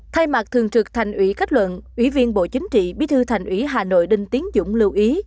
thay mặt thường trực thành ủy kết luận ủy viên bộ chính trị bí thư thành ủy hà nội đinh tiến dũng lưu ý